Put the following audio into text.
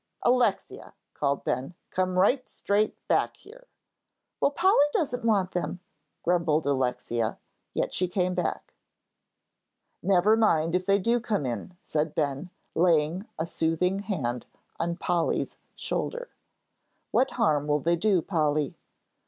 "Alexia," called Ben, "come right straight back here." "Well, Polly doesn't want them," grumbled Alexia, yet she came back. "Never mind if they do come in," said Ben, laying a soothing hand on Polly's shoulder. "What harm will they do, Polly?"